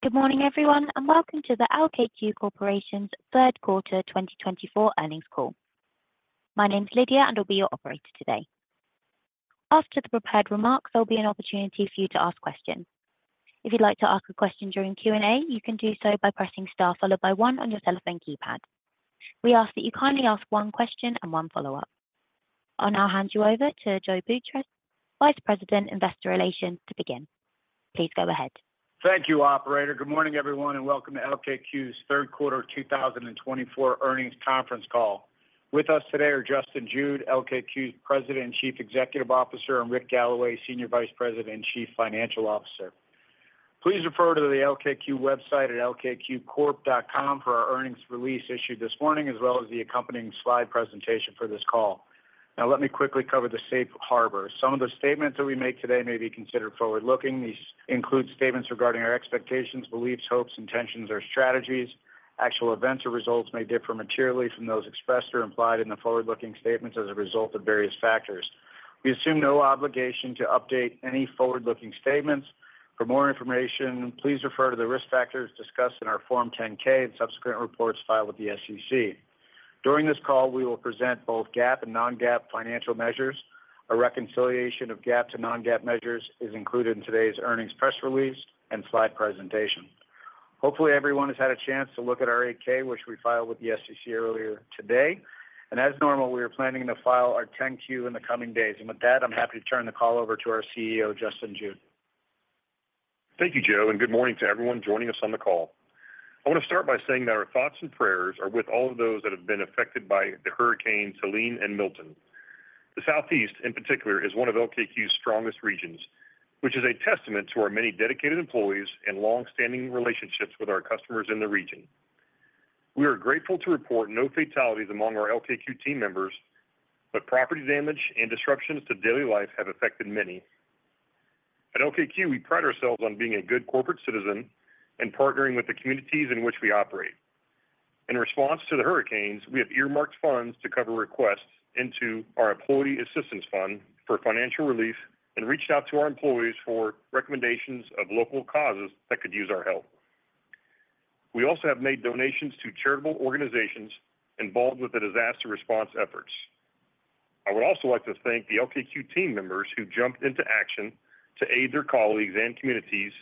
Good morning, everyone, and welcome to the LKQ Corporation's third quarter twenty twenty-four earnings call. My name is Lydia, and I'll be your operator today. After the prepared remarks, there'll be an opportunity for you to ask questions. If you'd like to ask a question during Q&A, you can do so by pressing Star followed by one on your cellphone keypad. We ask that you kindly ask one question and one follow-up. I'll now hand you over to Joe Boutross, Vice President, Investor Relations, to begin. Please go ahead. Thank you, operator. Good morning, everyone, and welcome to LKQ's third quarter two thousand and twenty-four earnings conference call. With us today are Justin Jude, LKQ's President and Chief Executive Officer, and Rick Galloway, Senior Vice President and Chief Financial Officer. Please refer to the LKQ website at lkqcorp.com for our earnings release issued this morning, as well as the accompanying slide presentation for this call. Now, let me quickly cover the safe harbor. Some of the statements that we make today may be considered forward-looking. These include statements regarding our expectations, beliefs, hopes, intentions, or strategies. Actual events or results may differ materially from those expressed or implied in the forward-looking statements as a result of various factors. We assume no obligation to update any forward-looking statements. For more information, please refer to the risk factors discussed in our Form 10-K and subsequent reports filed with the SEC. During this call, we will present both GAAP and non-GAAP financial measures. A reconciliation of GAAP to non-GAAP measures is included in today's earnings press release and slide presentation. Hopefully, everyone has had a chance to look at our 8-K, which we filed with the SEC earlier today, and as normal, we are planning to file our 10-Q in the coming days, and with that, I'm happy to turn the call over to our CEO, Justin Jude. Thank you, Joe, and good morning to everyone joining us on the call. I wanna start by saying that our thoughts and prayers are with all of those that have been affected by the Hurricane Helene and Milton. The Southeast, in particular, is one of LKQ's strongest regions, which is a testament to our many dedicated employees and long-standing relationships with our customers in the region. We are grateful to report no fatalities among our LKQ team members, but property damage and disruptions to daily life have affected many. At LKQ, we pride ourselves on being a good corporate citizen and partnering with the communities in which we operate. In response to the hurricanes, we have earmarked funds to cover requests into our employee assistance fund for financial relief and reached out to our employees for recommendations of local causes that could use our help. We also have made donations to charitable organizations involved with the disaster response efforts. I would also like to thank the LKQ team members who jumped into action to aid their colleagues and communities.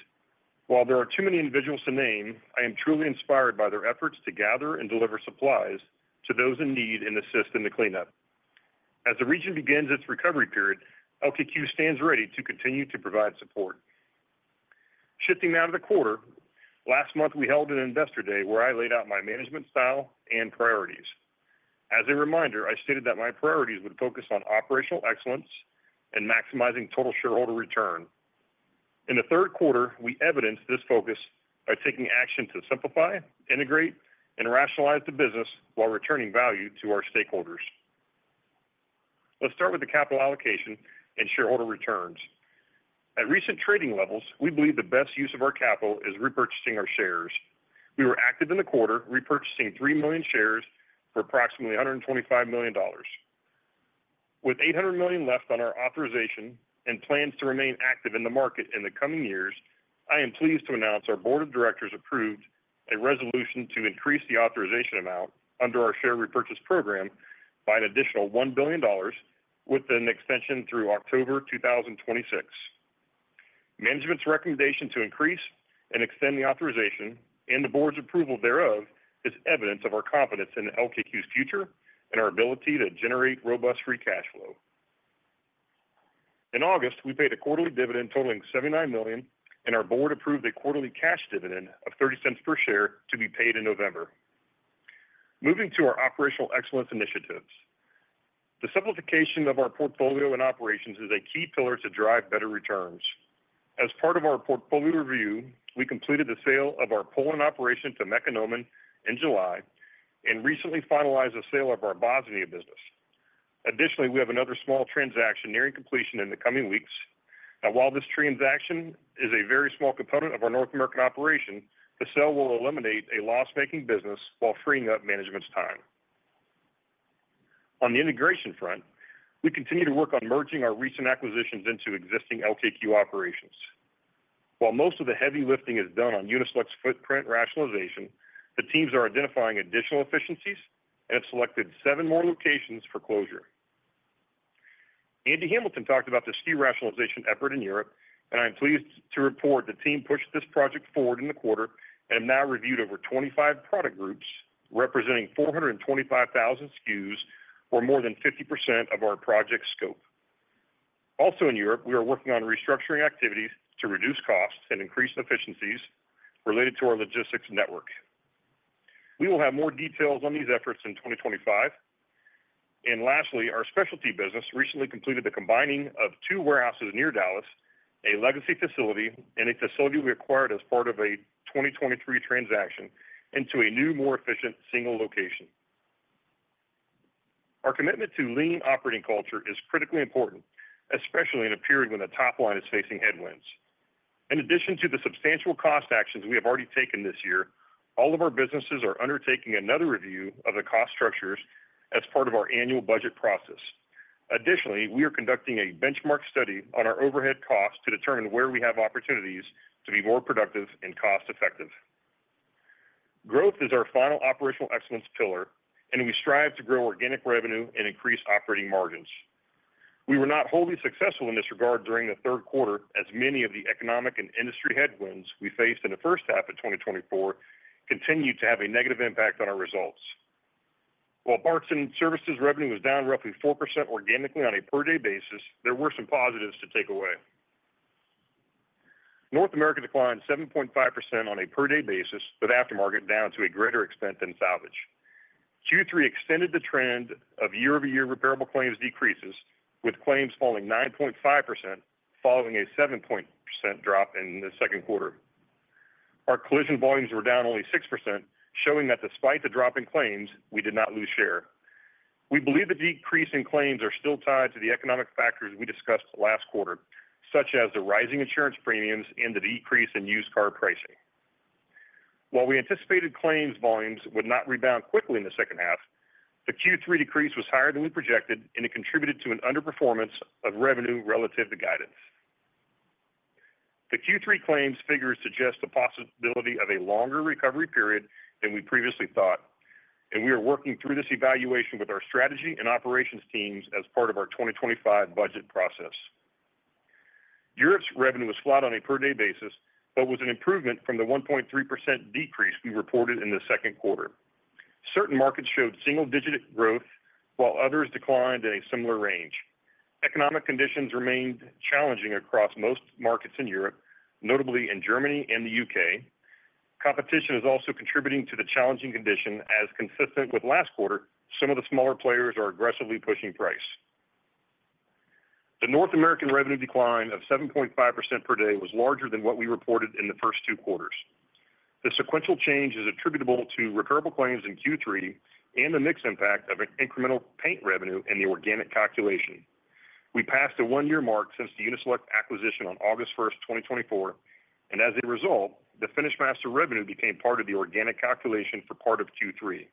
While there are too many individuals to name, I am truly inspired by their efforts to gather and deliver supplies to those in need and assist in the cleanup. As the region begins its recovery period, LKQ stands ready to continue to provide support. Shifting now to the quarter. Last month, we held an Investor Day where I laid out my management style and priorities. As a reminder, I stated that my priorities would focus on operational excellence and maximizing total shareholder return. In the third quarter, we evidenced this focus by taking action to simplify, integrate, and rationalize the business while returning value to our stakeholders. Let's start with the capital allocation and shareholder returns. At recent trading levels, we believe the best use of our capital is repurchasing our shares. We were active in the quarter, repurchasing 3 million shares for approximately $125 million. With $800 million left on our authorization and plans to remain active in the market in the coming years, I am pleased to announce our board of directors approved a resolution to increase the authorization amount under our share repurchase program by an additional $1 billion, with an extension through October 2026. Management's recommendation to increase and extend the authorization and the board's approval thereof is evidence of our confidence in LKQ's future and our ability to generate robust free cash flow. In August, we paid a quarterly dividend totaling $79 million, and our board approved a quarterly cash dividend of 30 cents per share to be paid in November. Moving to our operational excellence initiatives. The simplification of our portfolio and operations is a key pillar to drive better returns. As part of our portfolio review, we completed the sale of our Poland operation to Mekonomen in July and recently finalized the sale of our Bosnia business. Additionally, we have another small transaction nearing completion in the coming weeks. Now, while this transaction is a very small component of our North American operation, the sale will eliminate a loss-making business while freeing up management's time. On the integration front, we continue to work on merging our recent acquisitions into existing LKQ operations. While most of the heavy lifting is done on Uni-Select's footprint rationalization, the teams are identifying additional efficiencies and have selected seven more locations for closure. Andy Hamilton talked about the SKU rationalization effort in Europe, and I'm pleased to report the team pushed this project forward in the quarter and have now reviewed over 25 product groups, representing 425,000 SKUs, or more than 50% of our project scope. Also in Europe, we are working on restructuring activities to reduce costs and increase efficiencies related to our logistics network. We will have more details on these efforts in 2025. Lastly, our specialty business recently completed the combining of two warehouses near Dallas, a legacy facility, and a facility we acquired as part of a 2023 transaction into a new, more efficient single location. Our commitment to lean operating culture is critically important, especially in a period when the top line is facing headwinds. In addition to the substantial cost actions we have already taken this year, all of our businesses are undertaking another review of the cost structures as part of our annual budget process. Additionally, we are conducting a benchmark study on our overhead costs to determine where we have opportunities to be more productive and cost-effective. Growth is our final operational excellence pillar, and we strive to grow organic revenue and increase operating margins. We were not wholly successful in this regard during the third quarter, as many of the economic and industry headwinds we faced in the first half of twenty twenty-four continued to have a negative impact on our results. While parts and services revenue was down roughly 4% organically on a per-day basis, there were some positives to take away. North America declined 7.5% on a per-day basis, with aftermarket down to a greater extent than salvage. Q3 extended the trend of year-over-year repairable claims decreases, with claims falling 9.5%, following a 7% drop in the second quarter. Our collision volumes were down only 6%, showing that despite the drop in claims, we did not lose share. We believe the decrease in claims are still tied to the economic factors we discussed last quarter, such as the rising insurance premiums and the decrease in used car pricing. While we anticipated claims volumes would not rebound quickly in the second quarter, the Q3 decrease was higher than we projected, and it contributed to an underperformance of revenue relative to guidance. The Q3 claims figures suggest the possibility of a longer recovery period than we previously thought, and we are working through this evaluation with our strategy and operations teams as part of our 2025 budget process. Europe's revenue was flat on a per-day basis, but was an improvement from the 1.3% decrease we reported in the second quarter. Certain markets showed single-digit growth, while others declined in a similar range. Economic conditions remained challenging across most markets in Europe, notably in Germany and the UK. Competition is also contributing to the challenging condition. As consistent with last quarter, some of the smaller players are aggressively pushing price. The North American revenue decline of 7.5% per day was larger than what we reported in the first two quarters. The sequential change is attributable to repairable claims in Q3 and the mix impact of an incremental paint revenue in the organic calculation. We passed a one-year mark since the Uni-Select acquisition on August first, twenty twenty-four, and as a result, the FinishMaster revenue became part of the organic calculation for part of Q3.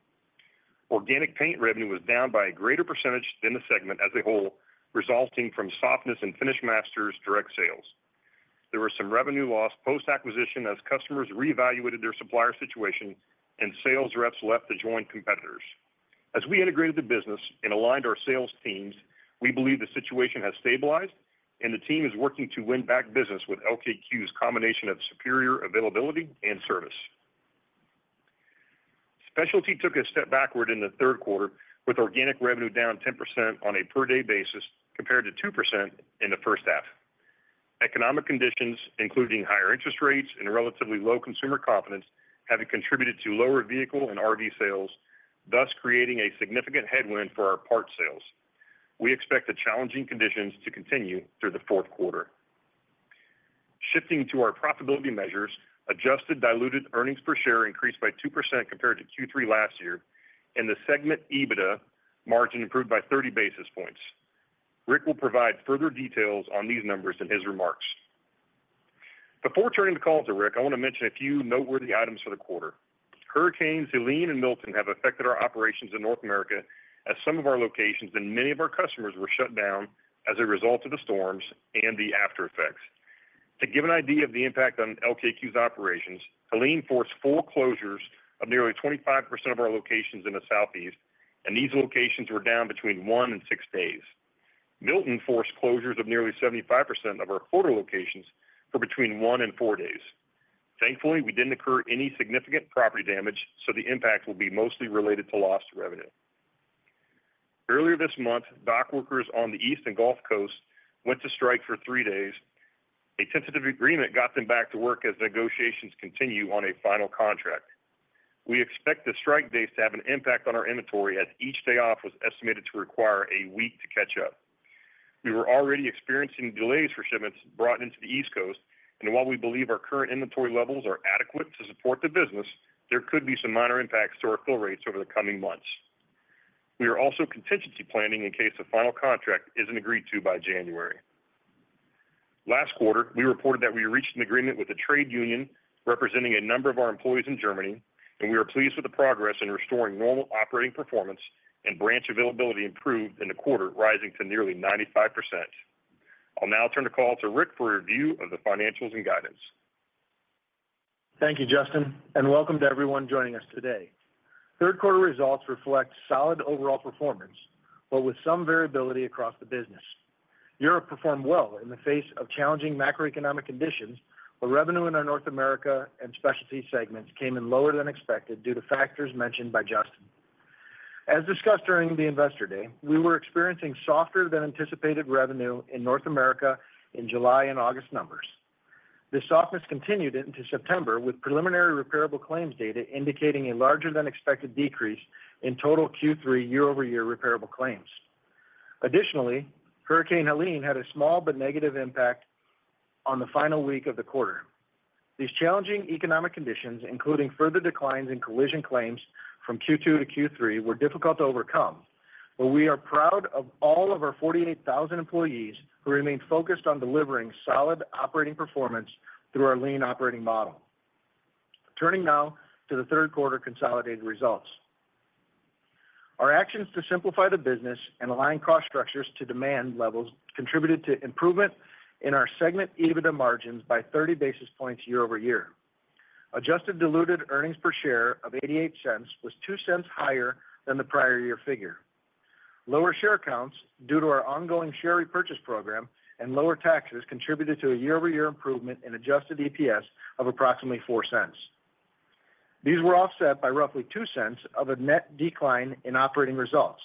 Organic paint revenue was down by a greater percentage than the segment as a whole, resulting from softness in FinishMaster's direct sales. There was some revenue loss post-acquisition as customers reevaluated their supplier situation and sales reps left to join competitors. As we integrated the business and aligned our sales teams, we believe the situation has stabilized and the team is working to win back business with LKQ's combination of superior availability and service. Specialty took a step backward in the third quarter, with organic revenue down 10% on a per-day basis, compared to 2% in the first half. Economic conditions, including higher interest rates and relatively low consumer confidence, having contributed to lower vehicle and RV sales, thus creating a significant headwind for our parts sales. We expect the challenging conditions to continue through the fourth quarter. Shifting to our profitability measures, adjusted diluted earnings per share increased by 2% compared to Q3 last year, and the segment EBITDA margin improved by 30 basis points. Rick will provide further details on these numbers in his remarks. Before turning the call to Rick, I want to mention a few noteworthy items for the quarter. Hurricanes Helene and Milton have affected our operations in North America, as some of our locations and many of our customers were shut down as a result of the storms and the aftereffects. To give an idea of the impact on LKQ's operations, Helene forced closures of nearly 25% of our locations in the Southeast, and these locations were down between one and six days. Milton forced closures of nearly 75% of our locations for between one and four days. Thankfully, we didn't incur any significant property damage, so the impact will be mostly related to lost revenue. Earlier this month, dock workers on the East and Gulf Coasts went on strike for three days. A tentative agreement got them back to work as negotiations continue on a final contract. We expect the strike dates to have an impact on our inventory, as each day off was estimated to require a week to catch up. We were already experiencing delays for shipments brought into the East Coast, and while we believe our current inventory levels are adequate to support the business, there could be some minor impacts to our fill rates over the coming months. We are also contingency planning in case a final contract isn't agreed to by January. Last quarter, we reported that we reached an agreement with the trade union, representing a number of our employees in Germany, and we are pleased with the progress in restoring normal operating performance and branch availability improved in the quarter, rising to nearly 95%. I'll now turn the call to Rick for a review of the financials and guidance. Thank you, Justin, and welcome to everyone joining us today. Third quarter results reflect solid overall performance, but with some variability across the business. Europe performed well in the face of challenging macroeconomic conditions, but revenue in our North America and specialty segments came in lower than expected due to factors mentioned by Justin. As discussed during the Investor Day, we were experiencing softer than anticipated revenue in North America in July and August numbers. This softness continued into September, with preliminary repairable claims data indicating a larger than expected decrease in total Q3 year-over-year repairable claims. Additionally, Hurricane Helene had a small but negative impact on the final week of the quarter. These challenging economic conditions, including further declines in collision claims from Q2 to Q3, were difficult to overcome, but we are proud of all of our 48,000 employees who remain focused on delivering solid operating performance through our lean operating model. Turning now to the third quarter consolidated results. Our actions to simplify the business and align cost structures to demand levels contributed to improvement in our segment EBITDA margins by 30 basis points year over year. Adjusted diluted earnings per share of $0.88 was $0.02 higher than the prior year figure. Lower share counts due to our ongoing share repurchase program and lower taxes contributed to a year-over-year improvement in adjusted EPS of approximately $0.04. These were offset by roughly $0.02 of a net decline in operating results.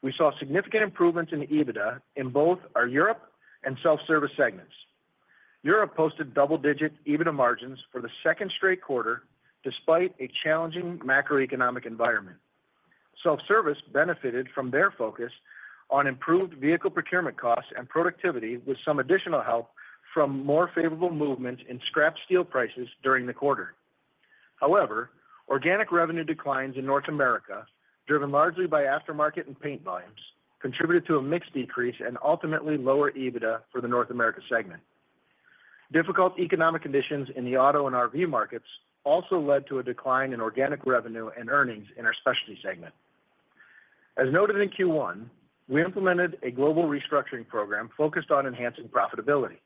We saw significant improvements in EBITDA in both our Europe and self-service segments. Europe posted double-digit EBITDA margins for the second straight quarter, despite a challenging macroeconomic environment. Self-service benefited from their focus on improved vehicle procurement costs and productivity, with some additional help from more favorable movement in scrap steel prices during the quarter. However, organic revenue declines in North America, driven largely by aftermarket and paint volumes, contributed to a mixed decrease and ultimately lower EBITDA for the North America segment. Difficult economic conditions in the auto and RV markets also led to a decline in organic revenue and earnings in our specialty segment. As noted in Q1, we implemented a global restructuring program focused on enhancing profitability.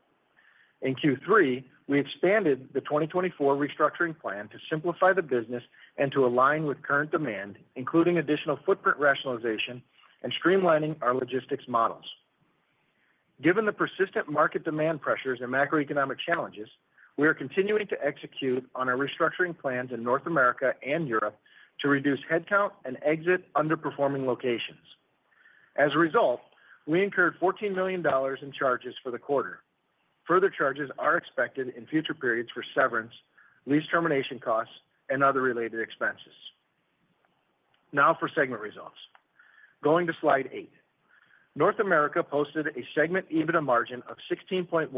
In Q3, we expanded the 2024 restructuring plan to simplify the business and to align with current demand, including additional footprint rationalization and streamlining our logistics models. Given the persistent market demand pressures and macroeconomic challenges, we are continuing to execute on our restructuring plans in North America and Europe to reduce headcount and exit underperforming locations. As a result, we incurred $14 million in charges for the quarter. Further charges are expected in future periods for severance, lease termination costs, and other related expenses. Now, for segment results. Going to slide 8. North America posted a segment EBITDA margin of 16.1%,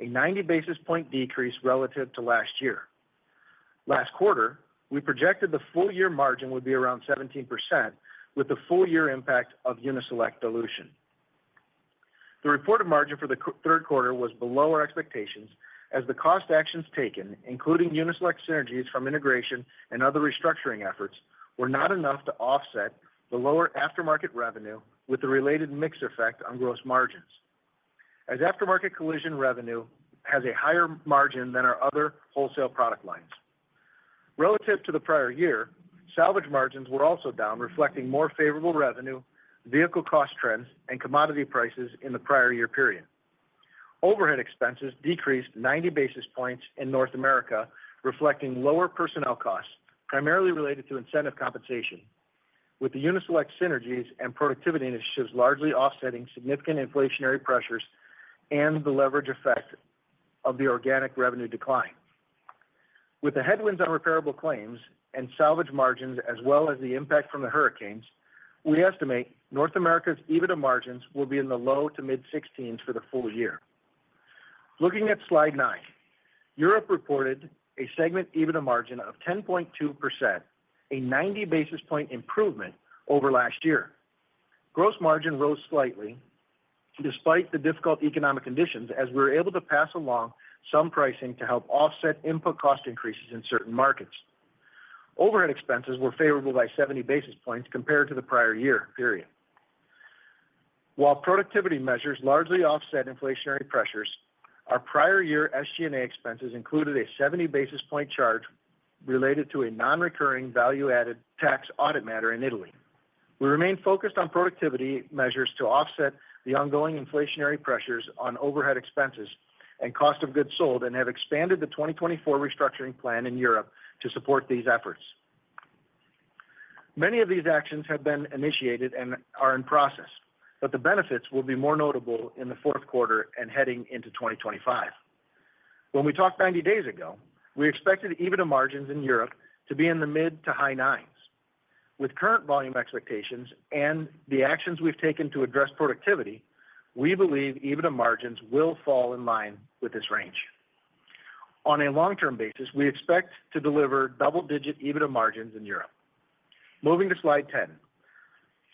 a 90 basis point decrease relative to last year. Last quarter, we projected the full year margin would be around 17%, with the full year impact of Uni-Select dilution. The reported margin for the third quarter was below our expectations, as the cost actions taken, including Uni-Select synergies from integration and other restructuring efforts, were not enough to offset the lower aftermarket revenue with the related mix effect on gross margins, as aftermarket collision revenue has a higher margin than our other wholesale product lines. Relative to the prior year, salvage margins were also down, reflecting more favorable revenue, vehicle cost trends, and commodity prices in the prior year period. Overhead expenses decreased ninety basis points in North America, reflecting lower personnel costs, primarily related to incentive compensation, with the Uni-Select synergies and productivity initiatives largely offsetting significant inflationary pressures and the leverage effect of the organic revenue decline. With the headwinds on repairable claims and salvage margins, as well as the impact from the hurricanes, we estimate North America's EBITDA margins will be in the low to mid-sixteens for the full year. Looking at Slide nine, Europe reported a segment EBITDA margin of 10.2%, a ninety basis points improvement over last year. Gross margin rose slightly despite the difficult economic conditions, as we were able to pass along some pricing to help offset input cost increases in certain markets. Overhead expenses were favorable by seventy basis points compared to the prior year period. While productivity measures largely offset inflationary pressures, our prior year SG&A expenses included a seventy basis points charge related to a non-recurring value-added tax audit matter in Italy. We remain focused on productivity measures to offset the ongoing inflationary pressures on overhead expenses and cost of goods sold, and have expanded the 2024 restructuring plan in Europe to support these efforts. Many of these actions have been initiated and are in process, but the benefits will be more notable in the fourth quarter and heading into 2025. When we talked 90 days ago, we expected EBITDA margins in Europe to be in the mid to high nines. With current volume expectations and the actions we've taken to address productivity, we believe EBITDA margins will fall in line with this range. On a long-term basis, we expect to deliver double-digit EBITDA margins in Europe. Moving to Slide 10.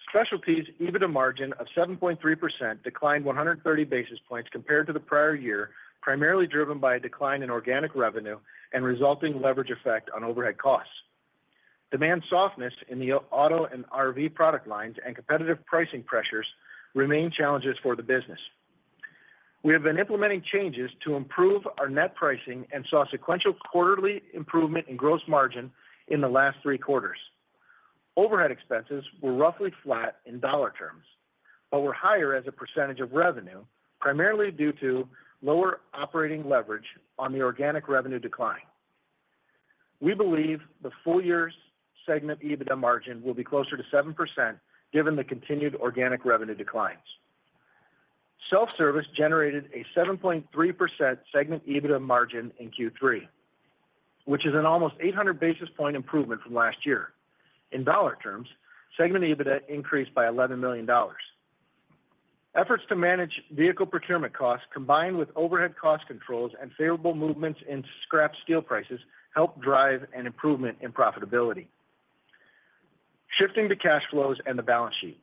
Specialties EBITDA margin of 7.3% declined 130 basis points compared to the prior year, primarily driven by a decline in organic revenue and resulting leverage effect on overhead costs. Demand softness in the auto and RV product lines and competitive pricing pressures remain challenges for the business. We have been implementing changes to improve our net pricing and saw sequential quarterly improvement in gross margin in the last three quarters. Overhead expenses were roughly flat in dollar terms, but were higher as a percentage of revenue, primarily due to lower operating leverage on the organic revenue decline. We believe the full year's segment EBITDA margin will be closer to 7%, given the continued organic revenue declines. Self-service generated a 7.3% segment EBITDA margin in Q3, which is an almost 800 basis point improvement from last year. In dollar terms, segment EBITDA increased by $11 million. Efforts to manage vehicle procurement costs, combined with overhead cost controls and favorable movements in scrap steel prices, helped drive an improvement in profitability. Shifting to cash flows and the balance sheet.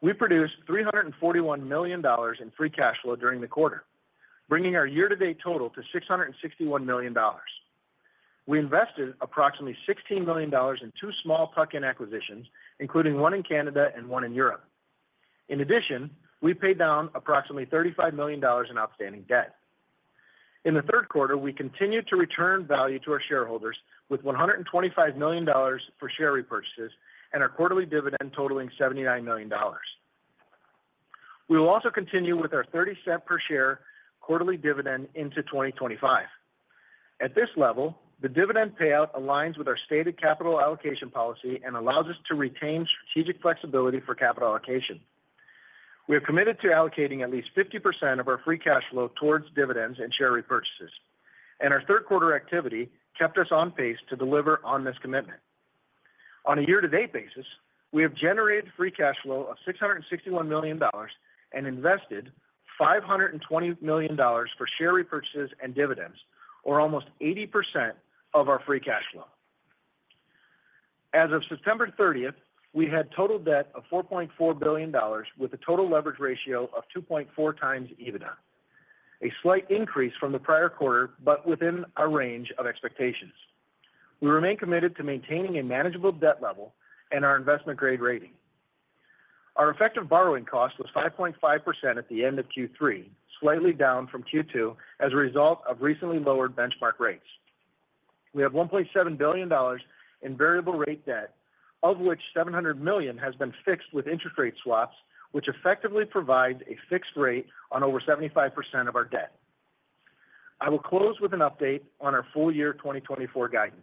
We produced $341 million in free cash flow during the quarter, bringing our year-to-date total to $661 million. We invested approximately $16 million in two small tuck-in acquisitions, including one in Canada and one in Europe. In addition, we paid down approximately $35 million in outstanding debt. In the third quarter, we continued to return value to our shareholders with $125 million for share repurchases and our quarterly dividend totaling $79 million. We will also continue with our 30-cent per share quarterly dividend into 2025. At this level, the dividend payout aligns with our stated capital allocation policy and allows us to retain strategic flexibility for capital allocation. We are committed to allocating at least 50% of our free cash flow towards dividends and share repurchases, and our third quarter activity kept us on pace to deliver on this commitment. On a year-to-date basis, we have generated free cash flow of $661 million and invested $520 million for share repurchases and dividends, or almost 80% of our free cash flow. As of September thirtieth, we had total debt of $4.4 billion, with a total leverage ratio of 2.4 times EBITDA. A slight increase from the prior quarter, but within our range of expectations. We remain committed to maintaining a manageable debt level and our investment grade rating. Our effective borrowing cost was 5.5% at the end of Q3, slightly down from Q2 as a result of recently lowered benchmark rates. We have $1.7 billion in variable rate debt, of which $700 million has been fixed with interest rate swaps, which effectively provides a fixed rate on over 75% of our debt. I will close with an update on our full year 2024 guidance.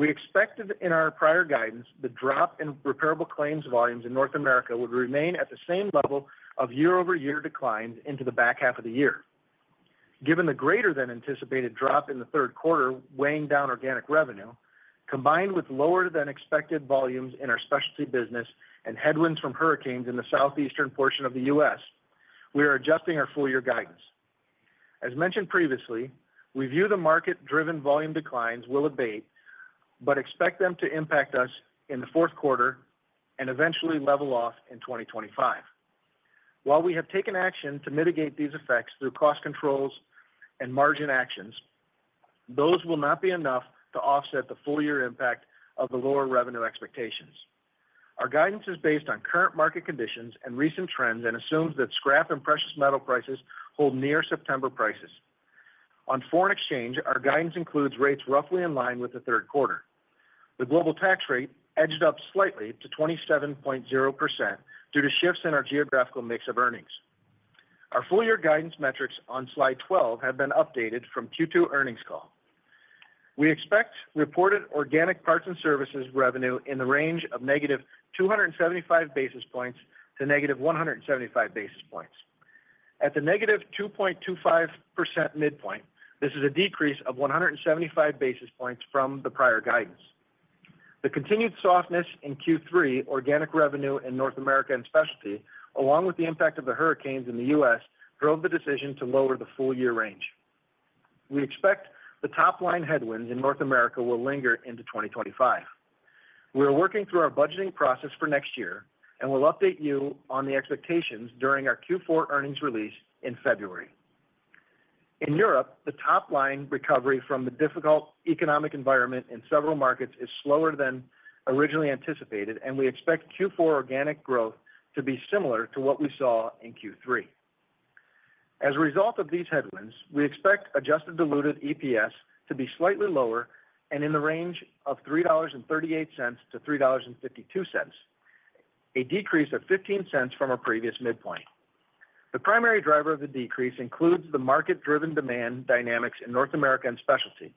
We expected in our prior guidance, the drop in repairable claims volumes in North America would remain at the same level of year-over-year declines into the back half of the year. Given the greater than anticipated drop in the third quarter, weighing down organic revenue, combined with lower than expected volumes in our specialty business and headwinds from hurricanes in the southeastern portion of the U.S., we are adjusting our full year guidance. As mentioned previously, we view the market-driven volume declines will abate, but expect them to impact us in the fourth quarter and eventually level off in 2025. While we have taken action to mitigate these effects through cost controls and margin actions, those will not be enough to offset the full year impact of the lower revenue expectations. Our guidance is based on current market conditions and recent trends, and assumes that scrap and precious metal prices hold near September prices. On foreign exchange, our guidance includes rates roughly in line with the third quarter. The global tax rate edged up slightly to 27.0% due to shifts in our geographical mix of earnings. Our full year guidance metrics on slide 12 have been updated from Q2 earnings call. We expect reported organic parts and services revenue in the range of negative 275 basis points to negative 175 basis points. At the negative 2.25% midpoint, this is a decrease of 175 basis points from the prior guidance. The continued softness in Q3 organic revenue in North America and Specialty, along with the impact of the hurricanes in the US, drove the decision to lower the full year range. We expect the top line headwinds in North America will linger into 2025. We are working through our budgeting process for next year, and we'll update you on the expectations during our Q4 earnings release in February. In Europe, the top line recovery from the difficult economic environment in several markets is slower than originally anticipated, and we expect Q4 organic growth to be similar to what we saw in Q3. As a result of these headwinds, we expect Adjusted Diluted EPS to be slightly lower and in the range of $3.38-$3.52, a decrease of $0.15 from our previous midpoint. The primary driver of the decrease includes the market-driven demand dynamics in North America and Specialty.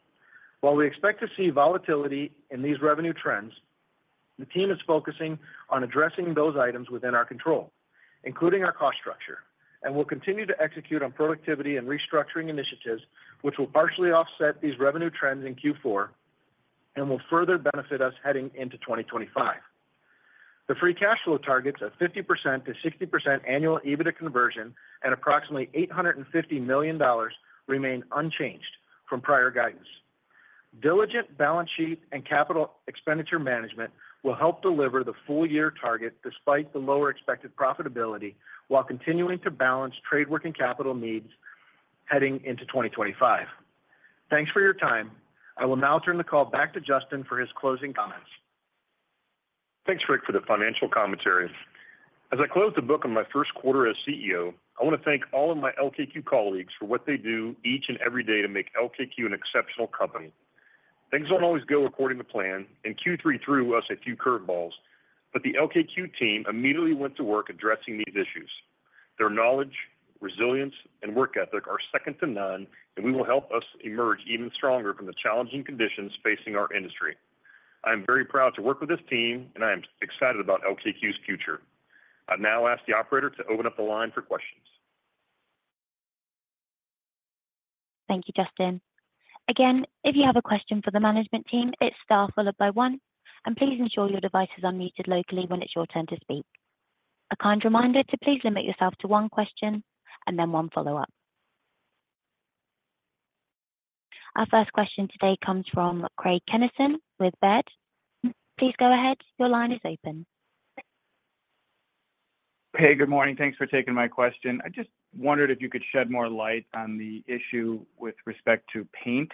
While we expect to see volatility in these revenue trends, the team is focusing on addressing those items within our control, including our cost structure, and will continue to execute on productivity and restructuring initiatives, which will partially offset these revenue trends in Q4 and will further benefit us heading into 2025. The free cash flow targets of 50%-60% annual EBITDA conversion and approximately $850 million remain unchanged from prior guidance. Diligent balance sheet and capital expenditure management will help deliver the full year target despite the lower expected profitability, while continuing to balance trade working capital needs heading into 2025. Thanks for your time. I will now turn the call back to Justin for his closing comments. Thanks, Rick, for the financial commentary. As I close the book on my first quarter as CEO, I want to thank all of my LKQ colleagues for what they do each and every day to make LKQ an exceptional company. Things don't always go according to plan, and Q3 threw us a few curveballs, but the LKQ team immediately went to work addressing these issues. Their knowledge, resilience, and work ethic are second to none, and we will help us emerge even stronger from the challenging conditions facing our industry. I am very proud to work with this team, and I am excited about LKQ's future. I'll now ask the operator to open up the line for questions. Thank you, Justin. Again, if you have a question for the management team, it's star followed by one, and please ensure your devices are muted locally when it's your turn to speak. A kind reminder to please limit yourself to one question and then one follow-up.... Our first question today comes from Craig Kennison with Baird. Please go ahead. Your line is open. Hey, good morning. Thanks for taking my question. I just wondered if you could shed more light on the issue with respect to paint,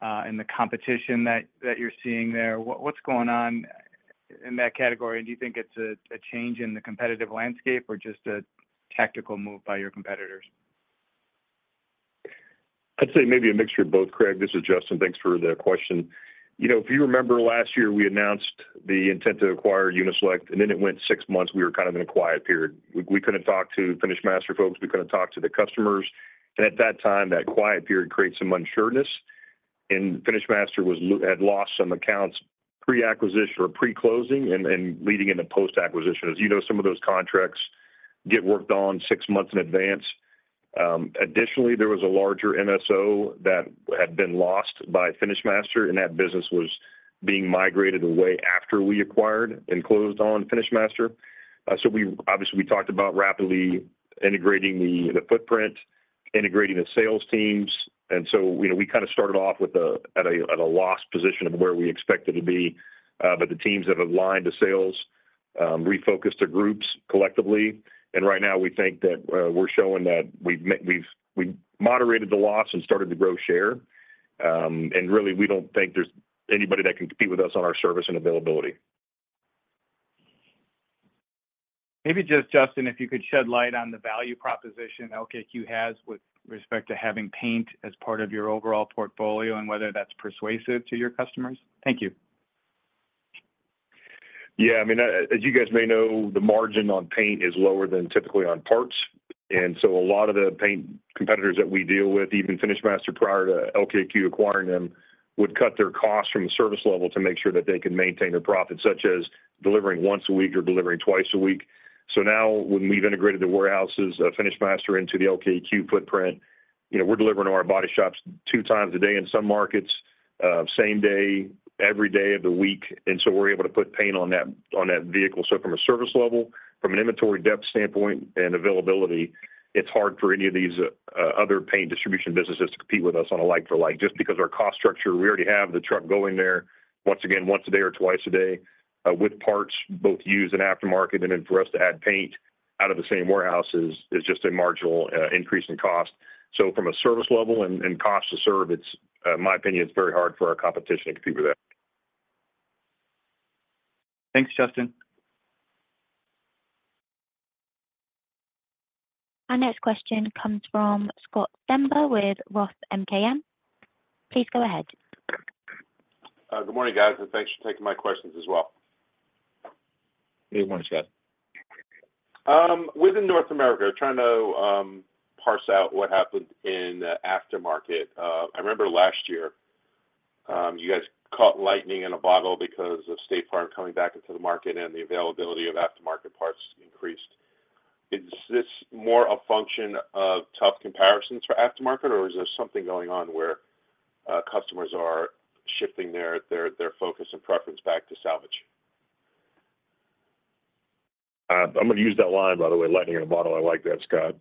and the competition that you're seeing there. What's going on in that category? Do you think it's a change in the competitive landscape or just a tactical move by your competitors? I'd say maybe a mixture of both, Craig. This is Justin. Thanks for the question. You know, if you remember last year, we announced the intent to acquire Uni-Select, and then it went six months, we were kind of in a quiet period. We couldn't talk to FinishMaster folks, we couldn't talk to the customers. And at that time, that quiet period created some unsureness, and FinishMaster had lost some accounts pre-acquisition or pre-closing and leading into post-acquisition. As you know, some of those contracts get worked on six months in advance. Additionally, there was a larger MSO that had been lost by FinishMaster, and that business was being migrated away after we acquired and closed on FinishMaster. So obviously, we talked about rapidly integrating the footprint, integrating the sales teams, and so, you know, we kind of started off at a loss position of where we expected to be. But the teams that have aligned to sales refocused their groups collectively, and right now we think that we're showing that we've moderated the loss and started to grow share. And really, we don't think there's anybody that can compete with us on our service and availability. Maybe just, Justin, if you could shed light on the value proposition LKQ has with respect to having paint as part of your overall portfolio and whether that's persuasive to your customers? Thank you. Yeah, I mean, as you guys may know, the margin on paint is lower than typically on parts, and so a lot of the paint competitors that we deal with, even FinishMaster prior to LKQ acquiring them, would cut their costs from the service level to make sure that they can maintain their profit, such as delivering once a week or delivering twice a week. So now, when we've integrated the warehouses of FinishMaster into the LKQ footprint, you know, we're delivering to our body shops two times a day in some markets, same day, every day of the week, and so we're able to put paint on that, on that vehicle. So from a service level, from an inventory depth standpoint and availability, it's hard for any of these other paint distribution businesses to compete with us on a like for like, just because our cost structure. We already have the truck going there once a day or twice a day with parts, both used and aftermarket. And then for us to add paint out of the same warehouse is just a marginal increase in cost. So from a service level and cost to serve, it's my opinion, it's very hard for our competition to compete with that. Thanks, Justin. Our next question comes from Scott Stember with Roth MKM. Please go ahead. Good morning, guys, and thanks for taking my questions as well. Good morning, Scott. Within North America, trying to parse out what happened in the aftermarket. I remember last year, you guys caught lightning in a bottle because of State Farm coming back into the market and the availability of aftermarket parts increased. Is this more a function of tough comparisons for aftermarket, or is there something going on where customers are shifting their focus and preference back to salvage? I'm gonna use that line, by the way, lightning in a bottle. I like that, Scott.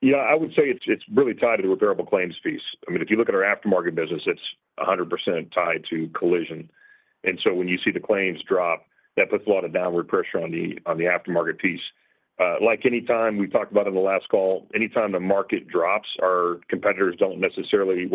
Yeah, I would say it's really tied to the repairable claims piece. I mean, if you look at our aftermarket business, it's 100% tied to collision. And so when you see the claims drop, that puts a lot of downward pressure on the aftermarket piece. Like any time we talked about in the last call, anytime the market drops, our competitors don't necessarily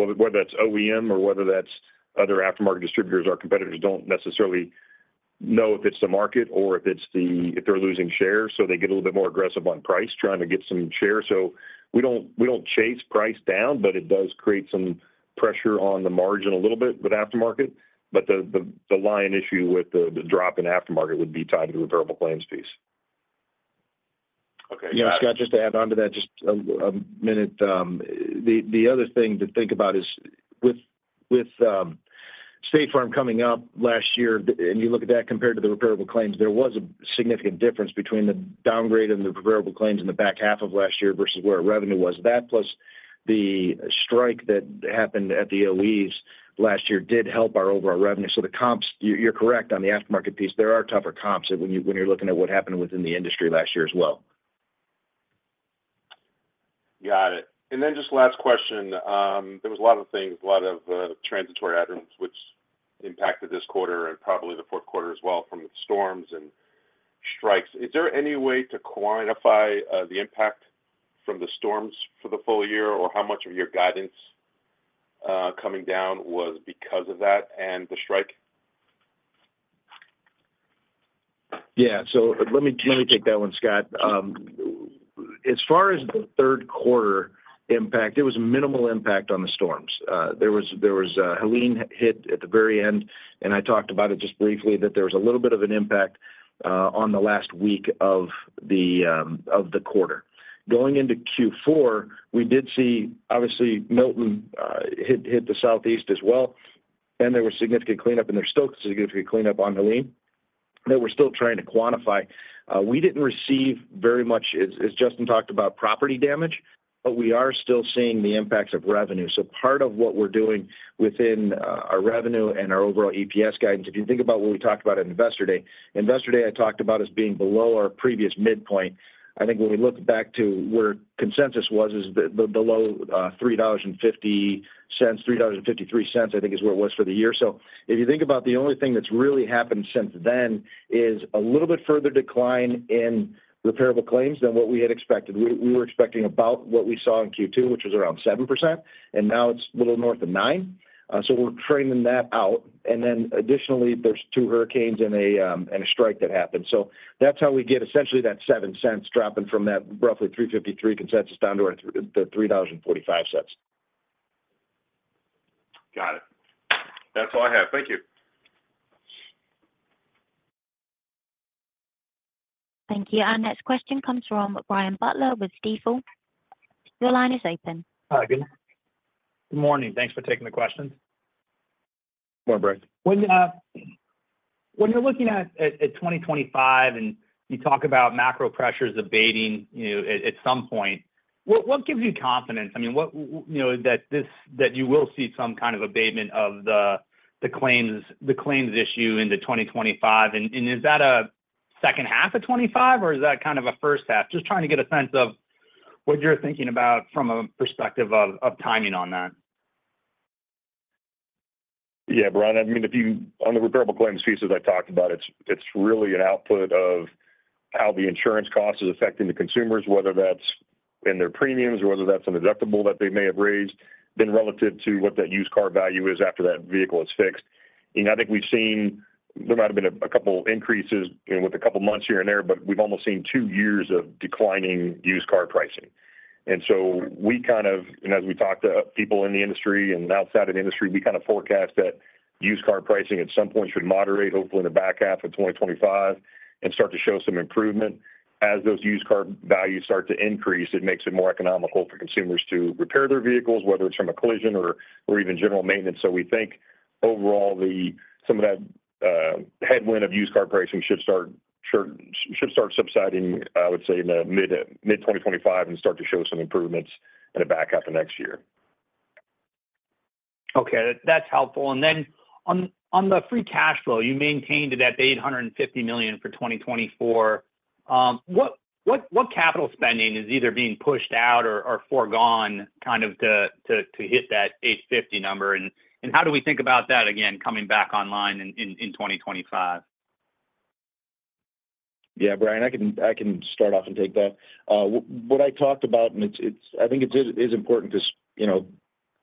know if it's the market or if it's the-- if they're losing share, so they get a little bit more aggressive on price, trying to get some share. Whether that's OEM or whether that's other aftermarket distributors, our competitors don't necessarily... So we don't chase price down, but it does create some pressure on the margin a little bit with aftermarket. But the underlying issue with the drop in aftermarket would be tied to the repairable claims piece. Okay. Yeah, Scott, just to add on to that just a minute. The other thing to think about is with State Farm coming up last year, and you look at that compared to the repairable claims, there was a significant difference between the downgrade and the repairable claims in the back half of last year versus where revenue was. That, plus the strike that happened at the OEs last year, did help our overall revenue. So the comps, you're correct on the aftermarket piece. There are tougher comps when you're looking at what happened within the industry last year as well. Got it. And then just last question. There was a lot of transitory items which impacted this quarter and probably the fourth quarter as well from the storms and strikes. Is there any way to quantify the impact from the storms for the full year, or how much of your guidance coming down was because of that and the strike? Yeah. So let me take that one, Scott. As far as the third quarter impact, it was minimal impact on the storms. There was Helene hit at the very end, and I talked about it just briefly, that there was a little bit of an impact on the last week of the quarter. Going into Q4, we did see, obviously, Milton hit the Southeast as well, and there was significant cleanup, and there's still significant cleanup on Helene that we're still trying to quantify. We didn't receive very much, as Justin talked about, property damage, but we are still seeing the impacts of revenue. So part of what we're doing within our revenue and our overall EPS guidance, if you think about what we talked about at Investor Day, I talked about as being below our previous midpoint. I think when we look back to where consensus was, is below $3.50. $3.53, I think, is where it was for the year. So if you think about the only thing that's really happened since then is a little bit further decline in repairable claims than what we had expected. We were expecting about what we saw in Q2, which was around 7%, and now it's a little north of 9%. So we're framing that out. And then additionally, there's two hurricanes and a strike that happened. So that's how we get essentially that $0.07 dropping from that roughly $3.53 consensus down to our the $3.45. Got it. That's all I have. Thank you. Thank you. Our next question comes from Brian Butler with Stifel. Your line is open. Hi, good morning. Thanks for taking the questions. Good morning, Brian. When you're looking at 2025, and you talk about macro pressures abating, you know, at some point, what gives you confidence? I mean, what... You know, that this- that you will see some kind of abatement of the claims issue into 2025, and is that a second half of 2025, or is that kind of a first half? Just trying to get a sense of what you're thinking about from a perspective of timing on that. Yeah, Brian, I mean, On the repairable claims pieces I talked about, it's really an output of how the insurance cost is affecting the consumers, whether that's in their premiums or whether that's a deductible that they may have raised, then relative to what that used car value is after that vehicle is fixed. You know, I think we've seen there might have been a couple increases, you know, with a couple months here and there, but we've almost seen two years of declining used car pricing. And so we kind of and as we talk to people in the industry and outside of the industry, we kind of forecast that used car pricing at some point should moderate, hopefully in the back half of twenty twenty-five, and start to show some improvement. As those used car values start to increase, it makes it more economical for consumers to repair their vehicles, whether it's from a collision or even general maintenance. So we think overall, some of that headwind of used car pricing should start subsiding, I would say, in the mid-2025 and start to show some improvements in the back half of next year. Okay, that's helpful. And then on the free cash flow, you maintained that $850 million for 2024. What capital spending is either being pushed out or foregone, kind of to hit that $850 number? And how do we think about that again, coming back online in 2025? Yeah, Brian, I can, I can start off and take that. What I talked about, and it's, it's I think it is important 'cause, you know,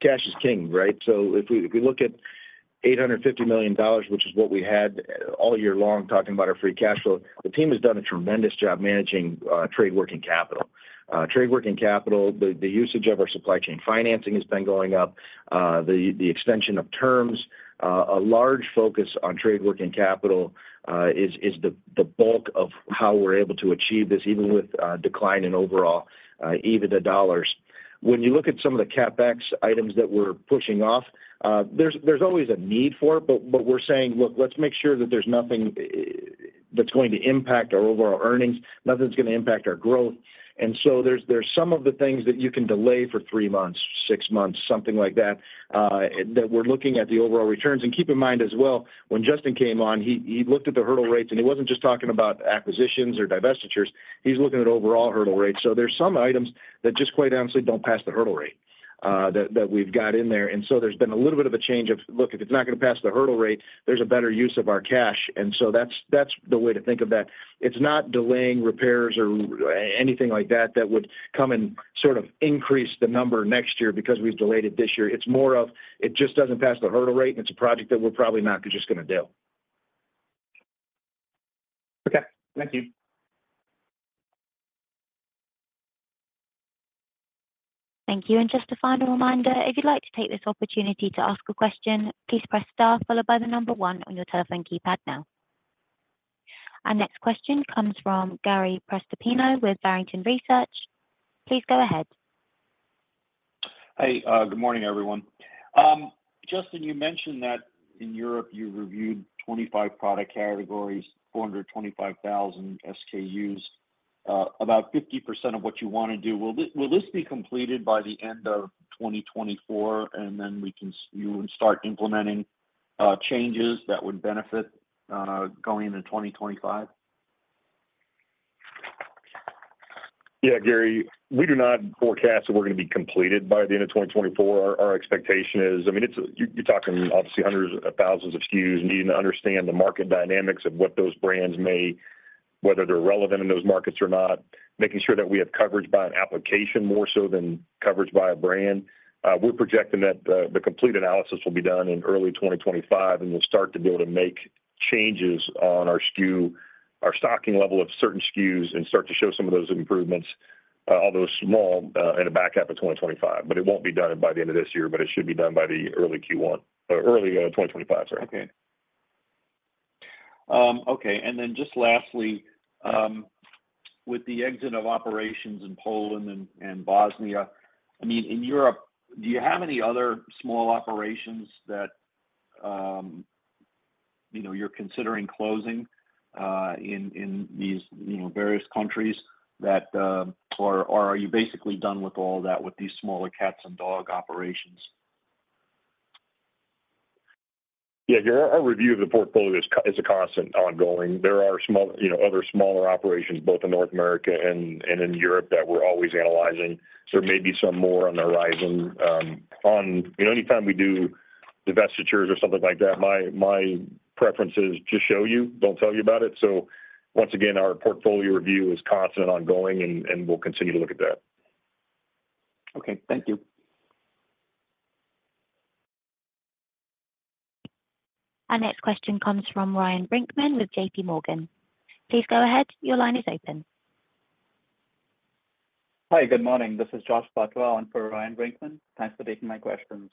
cash is king, right? So if we, if we look at $850 million, which is what we had all year long, talking about our free cash flow, the team has done a tremendous job managing trade working capital. Trade working capital, the usage of our supply chain financing has been going up, the extension of terms, a large focus on trade working capital, is the bulk of how we're able to achieve this, even with a decline in overall, even the dollars. When you look at some of the CapEx items that we're pushing off, there's always a need for it, but we're saying: Look, let's make sure that there's nothing that's going to impact our overall earnings, nothing's gonna impact our growth. And so there's some of the things that you can delay for three months, six months, something like that, that we're looking at the overall returns. And keep in mind as well, when Justin came on, he looked at the hurdle rates, and he wasn't just talking about acquisitions or divestitures. He's looking at overall hurdle rates. So there's some items that just quite honestly, don't pass the hurdle rate, that we've got in there. And so there's been a little bit of a change of: Look, if it's not gonna pass the hurdle rate, there's a better use of our cash. And so that's, that's the way to think of that. It's not delaying repairs or anything like that, that would come and sort of increase the number next year because we've delayed it this year. It's more of it just doesn't pass the hurdle rate, and it's a project that we're probably not just gonna do. Okay, thank you. Thank you, and just a final reminder, if you'd like to take this opportunity to ask a question, please press Star followed by the number one on your telephone keypad now. Our next question comes from Gary Prestopino with Barrington Research. Please go ahead. Hey, good morning, everyone. Justin, you mentioned that in Europe, you reviewed 25 product categories, 425,000 SKUs, about 50% of what you want to do. Will this be completed by the end of 2024, and then we can you would start implementing changes that would benefit going into 2025? Yeah, Gary, we do not forecast that we're going to be completed by the end of twenty twenty-four. Our expectation is... I mean, it's you you're talking obviously hundreds of thousands of SKUs, needing to understand the market dynamics of what those brands may, whether they're relevant in those markets or not, making sure that we have coverage by an application more so than coverage by a brand. We're projecting that the complete analysis will be done in early twenty twenty-five, and we'll start to be able to make changes on our SKU, our stocking level of certain SKUs and start to show some of those improvements, although small, in the back half of twenty twenty-five. But it won't be done by the end of this year, but it should be done by the early Q1 or early twenty twenty-five, sorry. Okay. Okay, and then just lastly, with the exit of operations in Poland and Bosnia, I mean, in Europe, do you have any other small operations that, you know, you're considering closing, in these, you know, various countries that, or are you basically done with all that, with these smaller cats and dogs operations? Yeah, Gary, our review of the portfolio is a constant ongoing. There are small, you know, other smaller operations, both in North America and in Europe, that we're always analyzing. There may be some more on the horizon. You know, anytime we do divestitures or something like that, my preference is just show you, don't tell you about it. So once again, our portfolio review is constant, ongoing, and we'll continue to look at that. Okay. Thank you. Our next question comes from Ryan Brinkman with J.P. Morgan. Please go ahead. Your line is open. Hi, good morning. This is Josh Batwa on for Ryan Brinkman. Thanks for taking my questions.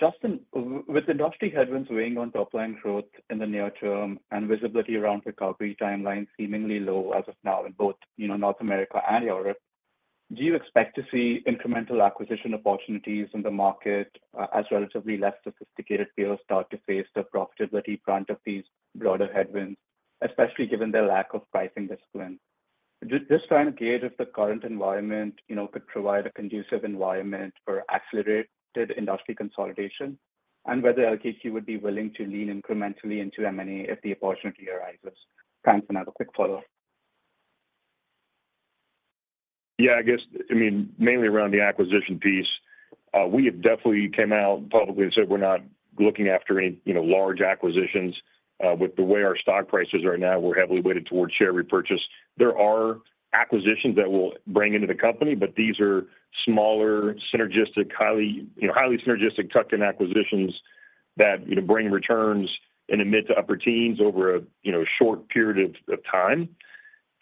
Justin, with industry headwinds weighing on top line growth in the near term and visibility around recovery timeline seemingly low as of now in both, you know, North America and Europe, do you expect to see incremental acquisition opportunities in the market, as relatively less sophisticated peers start to face the profitability brunt of these broader headwinds, especially given their lack of pricing discipline? Just trying to gauge if the current environment, you know, could provide a conducive environment for accelerated industry consolidation, and whether LKQ would be willing to lean incrementally into M&A if the opportunity arises. Thanks, and I have a quick follow-up. Yeah, I guess, I mean, mainly around the acquisition piece, we have definitely came out publicly and said we're not looking after any, you know, large acquisitions. With the way our stock price is right now, we're heavily weighted towards share repurchase. There are acquisitions that we'll bring into the company, but these are smaller, synergistic, highly, you know, highly synergistic tuck-in acquisitions that, you know, bring returns in the mid to upper teens over a, you know, short period of time.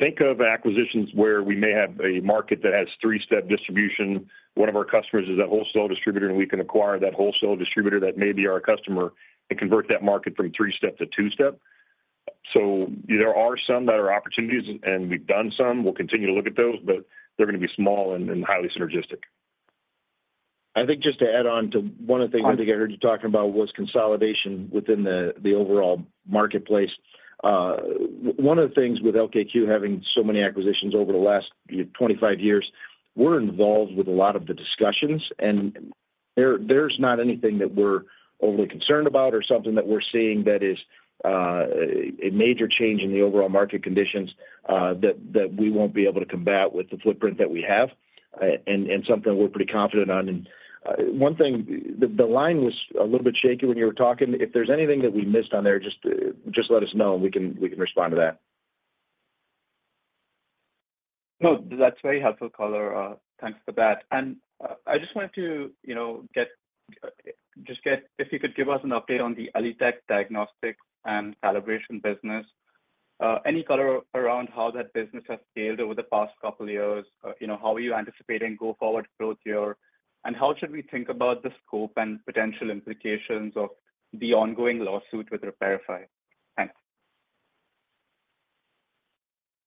Think of acquisitions where we may have a market that has three-step distribution. One of our customers is a wholesale distributor, and we can acquire that wholesale distributor that may be our customer and convert that market from three-step to two-step. So there are some that are opportunities, and we've done some. We'll continue to look at those, but they're gonna be small and highly synergistic. I think just to add on to one of the things I think I heard you talking about was consolidation within the overall marketplace. One of the things with LKQ having so many acquisitions over the last twenty-five years, we're involved with a lot of the discussions, and there's not anything that we're overly concerned about or something that we're seeing that is a major change in the overall market conditions, that we won't be able to combat with the footprint that we have, and something we're pretty confident on. One thing. The line was a little bit shaky when you were talking. If there's anything that we missed on there, just let us know, and we can respond to that. No, that's very helpful, caller. Thanks for that. I just wanted to, you know, get if you could give us an update on the EliteK Diagnostics and Calibration business. Any color around how that business has scaled over the past couple of years? You know, how are you anticipating go-forward growth here, and how should we think about the scope and potential implications of the ongoing lawsuit with Repairify? Thanks.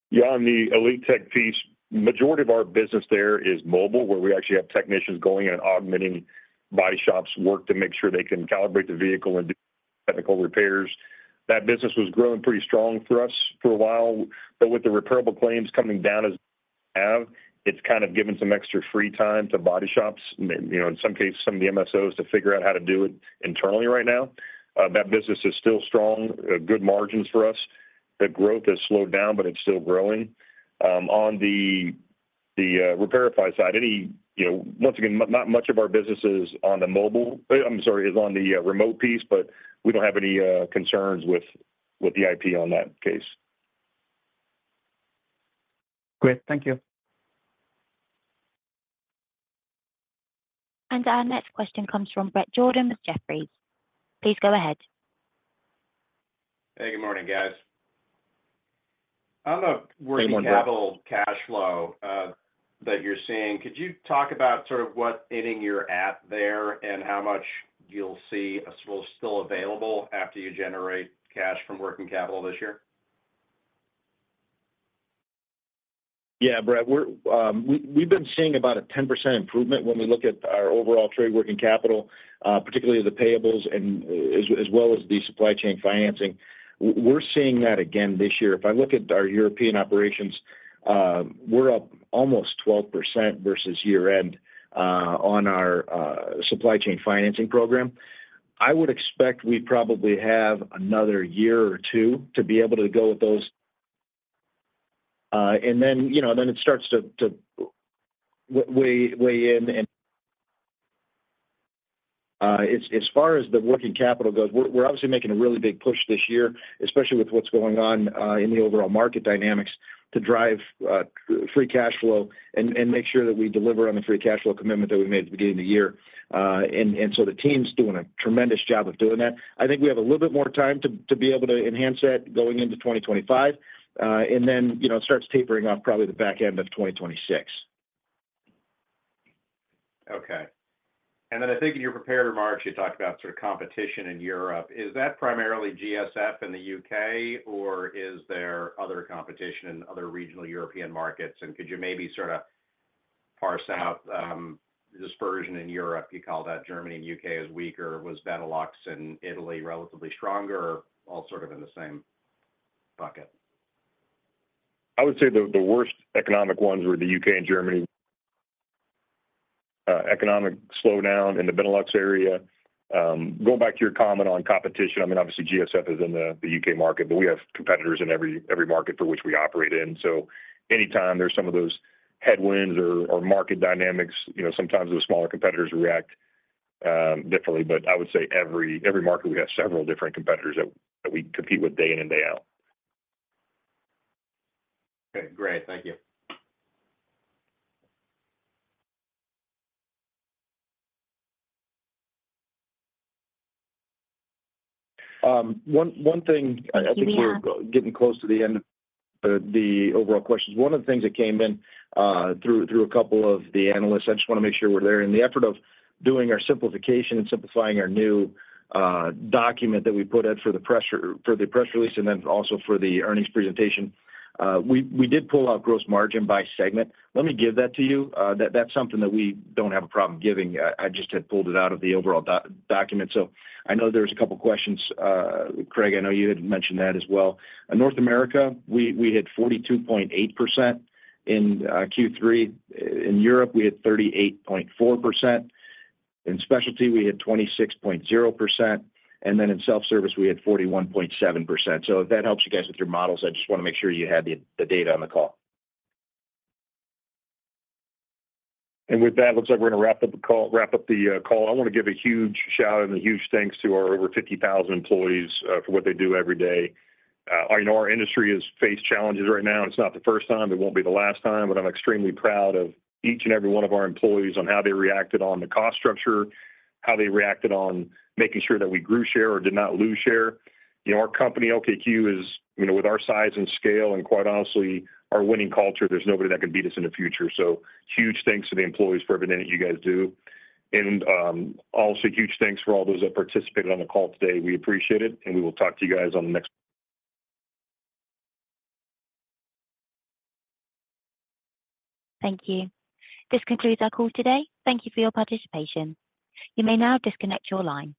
Yeah, on the EliteK piece, majority of our business there is mobile, where we actually have technicians going and augmenting body shops' work to make sure they can calibrate the vehicle and do technical repairs. That business was growing pretty strong for us for a while, but with the repairable claims coming down as they have, it's kind of given some extra free time to body shops, you know, in some cases, some of the MSOs, to figure out how to do it internally right now. That business is still strong, good margins for us. The growth has slowed down, but it's still growing. On the Repairify side, you know, once again, not much of our business is on the remote piece, but we don't have any concerns with the IP on that case. Great. Thank you. Our next question comes from Bret Jordan with Jefferies. Please go ahead. Hey, good morning, guys. On the- Good morning, Bret.... working capital cash flow that you're seeing, could you talk about sort of what inning you're at there and how much you'll see as well still available after you generate cash from working capital this year? Yeah, Bret, we've been seeing about a 10% improvement when we look at our overall trade working capital, particularly the payables and as well as the supply chain financing. We're seeing that again this year. If I look at our European operations, we're up almost 12% versus year-end, on our supply chain financing program. I would expect we probably have another year or two to be able to go with those. And then, you know, then it starts to weigh in and... As far as the working capital goes, we're obviously making a really big push this year, especially with what's going on in the overall market dynamics, to drive free cash flow and make sure that we deliver on the free cash flow commitment that we made at the beginning of the year. And so the team's doing a tremendous job of doing that. I think we have a little bit more time to be able to enhance that going into 2025, and then, you know, it starts tapering off probably the back end of 2026.... And then I think in your prepared remarks, you talked about sort of competition in Europe. Is that primarily GSF in the U.K., or is there other competition in other regional European markets? And could you maybe sort of parse out this version in Europe? You call that Germany and U.K. is weaker. Was Benelux and Italy relatively stronger or all sort of in the same bucket? I would say the worst economic ones were the UK and Germany, economic slowdown in the Benelux area. Going back to your comment on competition, I mean, obviously GSF is in the UK market, but we have competitors in every market for which we operate in. So anytime there's some of those headwinds or market dynamics, you know, sometimes the smaller competitors react differently. But I would say every market we have several different competitors that we compete with day in and day out. Okay, great. Thank you. One thing, I think we're getting close to the end of the overall questions. One of the things that came in through a couple of the analysts, I just want to make sure we're there. In the effort of doing our simplification and simplifying our new document that we put out for the press release and then also for the earnings presentation, we did pull out gross margin by segment. Let me give that to you. That's something that we don't have a problem giving. I just had pulled it out of the overall document. So I know there was a couple of questions. Craig, I know you had mentioned that as well. In North America, we had 42.8%. In Q3, in Europe, we had 38.4%. In specialty, we had 26.0%, and then in self-service, we had 41.7%. So if that helps you guys with your models, I just want to make sure you had the data on the call. With that, it looks like we're going to wrap up the call. I want to give a huge shout-out and a huge thanks to our over 50,000 employees for what they do every day. I know our industry has faced challenges right now, and it's not the first time. It won't be the last time, but I'm extremely proud of each and every one of our employees on how they reacted on the cost structure, how they reacted on making sure that we grew share or did not lose share. You know, our company, LKQ, is. You know, with our size and scale, and quite honestly, our winning culture, there's nobody that can beat us in the future. So huge thanks to the employees for everything that you guys do. And, also huge thanks for all those that participated on the call today. We appreciate it, and we will talk to you guys on the next- Thank you. This concludes our call today. Thank you for your participation. You may now disconnect your line.